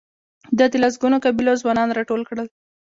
ده د لسګونو قبیلو ځوانان راټول کړل.